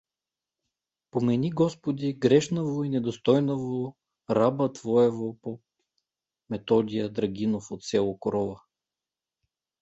Помени, господи, грешнаго и недостойнаго раба твоего поп Методия Драгинов, от село Корова.